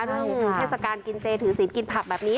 เทศกาลกินเจถือศีลกินผักแบบนี้